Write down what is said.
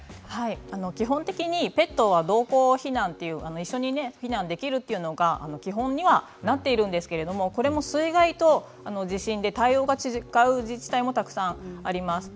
基本的にペットは同行避難、という一緒に避難できるというのが基本にはなっているんですけどこれも水害と地震で対応が違う自治体もたくさんあります。